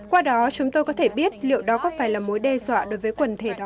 qua đó chúng tôi có thể biết liệu đó có phải là mối đe dọa đối với quần thể đó